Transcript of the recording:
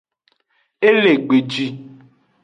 E le gbeji.